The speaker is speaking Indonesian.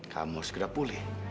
kamu harus segera pulih